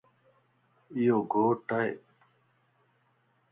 ايو گھوٽ ائي